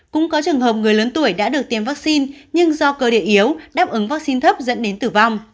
cũng có trường hợp người lớn tuổi đã được tiêm vaccine nhưng do cơ địa yếu đáp ứng vaccine thấp dẫn đến tử vong